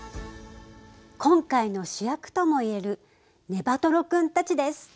今回の主役ともいえるネバトロ君たちです。